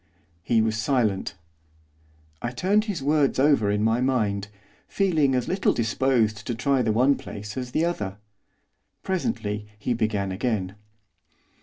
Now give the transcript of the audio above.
He was silent. I turned his words over in my mind, feeling as little disposed to try the one place as the other. Presently he began again.